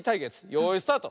よいスタート！